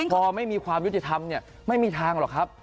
พอไม่มีความยุติธรรมเนี่ยไม่มีทางหรอกครับ